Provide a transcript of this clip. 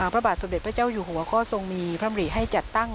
พระบาทสมเด็จพระเจ้าอยู่หัวก็ทรงมีพระมริให้จัดตั้ง